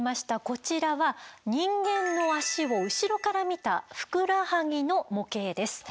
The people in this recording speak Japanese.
こちらは人間の脚を後ろから見た「ふくらはぎ」の模型です。